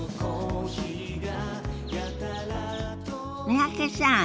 三宅さん